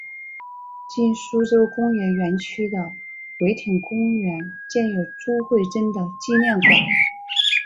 今苏州工业园区的唯亭公园建有朱慧珍的纪念馆。